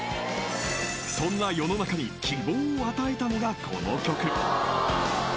［そんな世の中に希望を与えたのがこの曲］